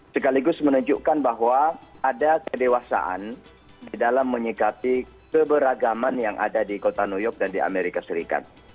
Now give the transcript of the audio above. sekaligus menunjukkan bahwa ada kedewasaan di dalam menyikapi keberagaman yang ada di kota new york dan di amerika serikat